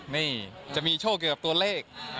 นี่จะมีโชคเกี่ยวกับตัวเลข